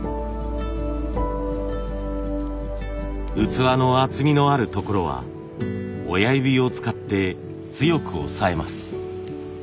器の厚みのあるところは親指を使って強く押さえます。